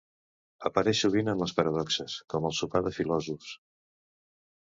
Apareix sovint en les paradoxes, com el sopar de filòsofs.